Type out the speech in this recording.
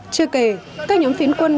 chưa kể các nhóm phiến quân